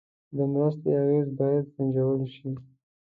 د مرستې اغېز باید سنجول شي.